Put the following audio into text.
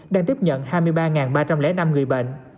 đang tiếp nhận hai mươi ba ba trăm linh năm người bệnh